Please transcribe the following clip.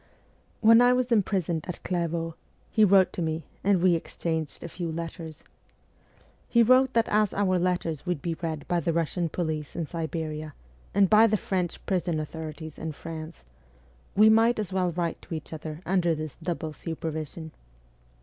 When I was imprisoned at Clairvaux, he wrote to me, and we exchanged a few letters. He wrote that as our letters would be read by the Russian police in Siberia and by the French prison authorities in France, we might as well write to each other under this double supervision.